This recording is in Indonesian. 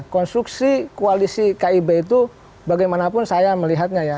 konstruksi koalisi kib itu bagaimanapun saya melihatnya ya